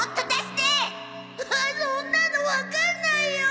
そんなのわかんないよ！